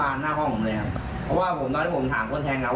เพราะว่าตอนที่ผมถามคนแทงกันว่าร้องกันเรื่องอะไร